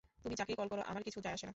তুমি যাকেই কল কর, আমার কিছু যায়আসে না।